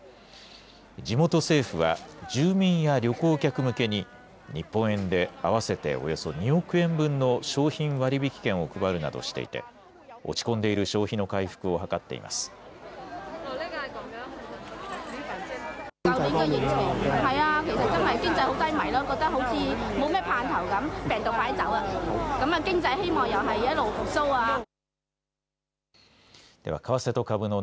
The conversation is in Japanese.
地元政府は、住民や旅行客向けに、日本円で合わせておよそ２億円分の商品割引券を配るなどしていて、落ち込んでいる消費の回復を図っています。